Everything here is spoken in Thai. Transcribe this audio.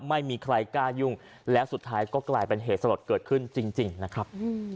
ไม่มีใครกล้ายุ่งและสุดท้ายก็กลายเป็นเหตุสลดเกิดขึ้นจริงนะครับ